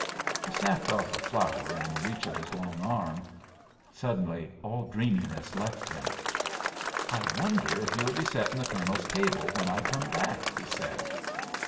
He snapped off a flower in reach of his long arm. Suddenly all dreaminess left him. "I wonder if you'll be settin' the colonel's table when I come back?" he said.